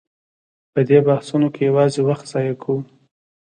په دې بحثونو کې یوازې وخت ضایع کوو.